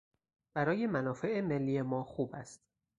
برای منافع ملی ما خوب است.